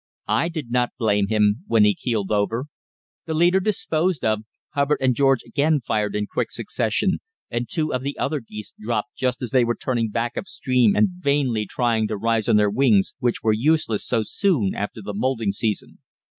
I did not blame him when he keeled over. The leader disposed of, Hubbard and George again fired in quick succession, and two of the other geese dropped just as they were turning back upstream and vainly trying to rise on their wings, which were useless so soon after the moulting season.